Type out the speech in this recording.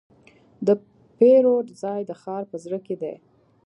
د پیرود ځای د ښار په زړه کې دی.